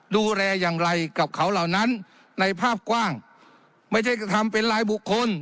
ดูแลอย่างไรกับเขาเหล่านั้นในภาพกว้างไม่ใช่กระทำเป็นรายบุคคล